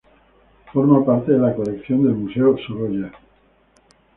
Forma parte de la colección del Museo Sorolla.